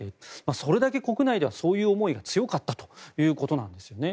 それだけ国内ではそういう思いが強かったということなんですね。